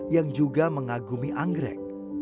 yang juga mengagumi anggrek